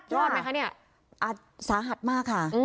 รอดไหมคะเนี่ยอาจสาหัสมากค่ะ